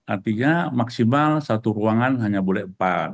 artinya maksimal satu ruangan hanya boleh empat